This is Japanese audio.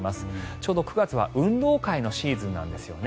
ちょうど９月は運動会のシーズンなんですよね。